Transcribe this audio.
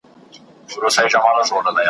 خوږېدی به یې له درده هر یو غړی ,